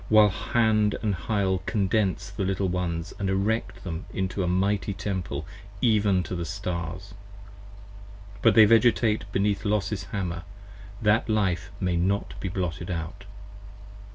While Hand & Hyle condense the Little ones & erect them into 50 A mighty Temple even to the stars: but they Vegetate Beneath Los's Hammer, that Life may not be blotted out.